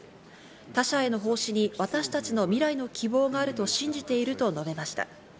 他者への奉仕に私たちの未来の希望があると信じていると述べました。